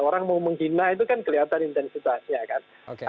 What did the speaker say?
orang mau menghina itu kan kelihatan intensitasnya kan